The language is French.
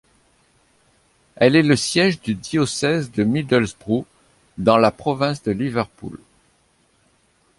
Elle est le siège du diocèse de Middlesbrough, dans la province de Liverpool.